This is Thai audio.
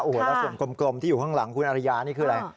แล้วส่วนกลมที่อยู่ข้างหลังคุณอริยานี่คืออะไร